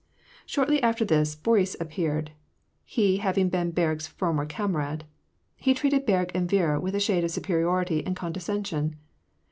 Shortly after, Boris appeared, he having been Berg's for!n<*r comrade. He treated Berg and Viera with a shade of suj^eri ority and condescension.